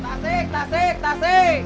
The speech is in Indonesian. tasik tasik tasik